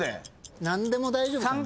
何でも大丈夫。